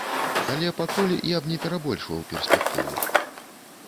Але пакуль я б не перабольшваў перспектывы.